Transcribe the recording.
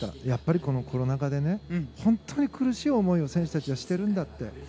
やっぱりこのコロナ禍で本当に苦しい思いを選手たちはしているんだって。